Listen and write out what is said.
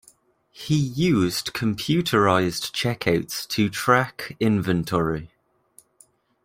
He used computerized checkouts to track inventory.